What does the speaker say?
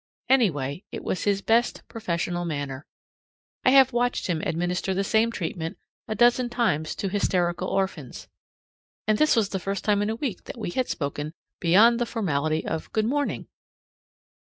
Anyway, it was his best professional manner. I have watched him administer the same treatment a dozen times to hysterical orphans. And this was the first time in a week that we had spoken beyond the formality of "good morning"!